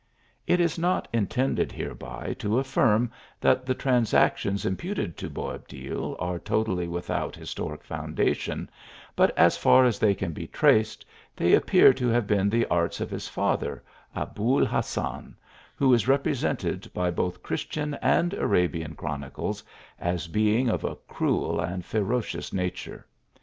It is not intended hereby to affirm that the trans actions imputed to Boabdil are totally without historic foundation, but as far as they can be traced, they appear to have been the arts of his father, Abul Hassan, who is represented, by both Christian and Arabian chroniclers, as being of a cruel and fero cious nature.